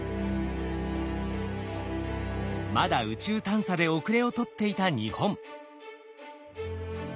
まだ宇宙探査で後れを取っていた日本。